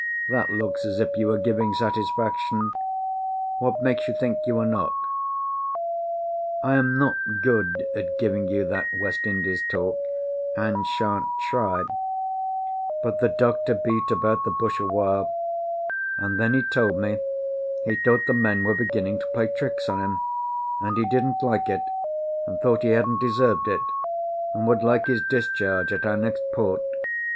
That looks as if you are giving satisfaction. What makes you think you are not?" I am not good at giving you that West Indies talk, and shan't try; but the doctor beat about the bush awhile, and then he told me he thought the men were beginning to play tricks on him, and he didn't like it, and thought he hadn't deserved it, and would like his discharge at our next port.